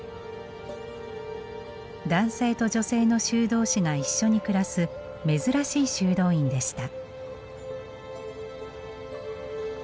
男性と女性の修道士が一緒に暮らす珍しい修道院でした。